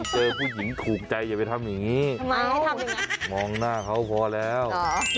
เจอผู้หญิงถูกใจอย่าไปทำอย่างนี้ทำไมมองหน้าเขาพอแล้ว